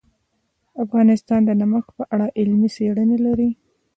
افغانستان د نمک په اړه علمي څېړنې لري.